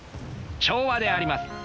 調和であります！